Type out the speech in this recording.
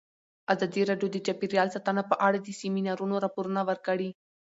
ازادي راډیو د چاپیریال ساتنه په اړه د سیمینارونو راپورونه ورکړي.